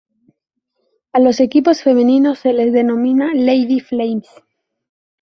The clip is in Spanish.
A los equipos femeninos se les denomina "Lady Flames".